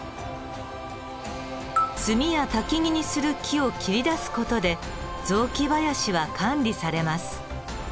炭やたきぎにする木を切り出す事で雑木林は管理されます。